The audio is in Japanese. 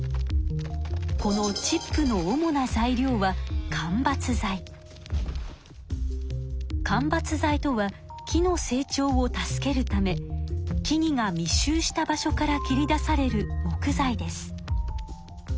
このチップの主な材料は間伐材とは木の成長を助けるため木々がみっ集した場所から切り出される木材です。